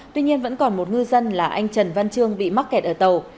tuy nhiên vẫn còn một ngư dân là anh trần văn trương bị mắc kẹt ở tàu